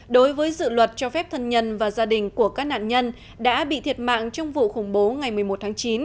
đối với dự luật cho phép thân nhân và gia đình của các nạn nhân đã bị thiệt mạng trong vụ khủng bố ngày một mươi một tháng chín